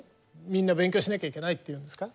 みんな勉強しなきゃいけないって言うんですか？